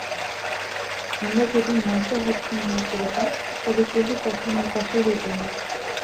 আমরা যদি মাংস ভক্ষণ না করিতাম, তবে কেহ কখনই কসাই হইত না।